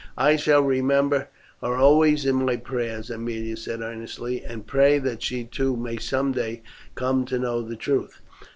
"I shall remember her always in my prayers," Aemilia said earnestly, "and pray that she too may some day come to know the truth."